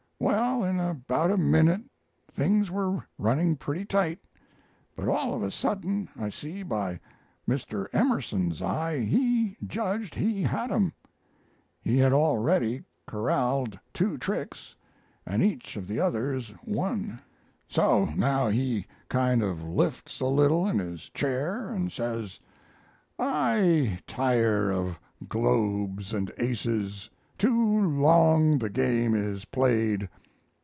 Well, in about a minute things were running pretty tight, but all of a sudden I see by Mr. Emerson's eye he judged he had 'em. He had already corralled two tricks and each of the others one. So now he kind of lifts a little in his chair and says, "'I tire of globes and aces! Too long the game is played!'